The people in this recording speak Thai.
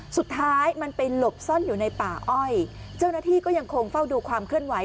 สุดท้ายมันไปหลบซ่อนอยู่ในป่าอ้อยเจ้าหน้าที่ก็ยังคงเฝ้าดูความเคลื่อนไหว